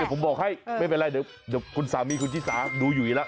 ผมบอกให้ไม่เป็นไรเดี๋ยวคุณสามีคุณชิสาดูอยู่อีกแล้ว